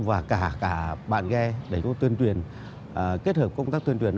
và cả bạn ghe để có tuyên truyền kết hợp công tác tuyên truyền